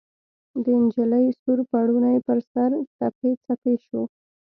د نجلۍ سور پوړني ، پر سر، څپې څپې شو